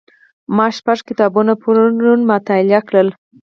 ما شپږ کتابونه پرون مطالعه کړل.